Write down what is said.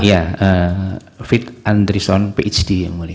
ya fit andrisson phd yang mulia